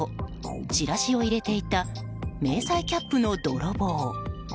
チラシを入れていた迷彩キャップの泥棒。